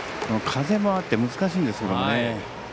風もあって難しいんですけどね。